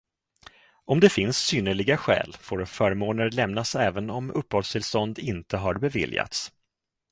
Om det finns synnerliga skäl, får förmåner lämnas även om uppehållstillstånd inte har beviljats.